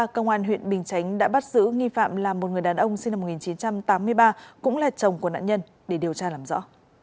công an huyện bình chánh đã bắt giữ nghi phạm là một người đàn ông sinh năm một nghìn chín trăm tám mươi ba cũng là chồng của nạn nhân để điều tra làm rõ